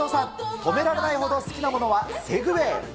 止められないほど好きなものは、セグウェイ。